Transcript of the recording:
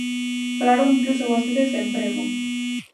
Falaron incluso vostedes de emprego.